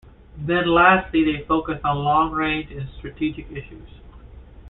Then lastly they focus on long-range and strategic issues.